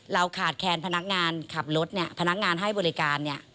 เราขาดแคลนพนักงานขับรถพนักงานให้บริการ